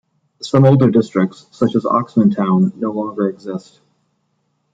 Some older districts, such as Oxmantown, no longer exist.